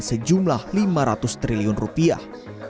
sejumlah lima ratus triliun rupiah